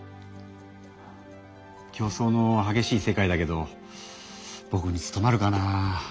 競争のはげしい世界だけどぼくに務まるかな。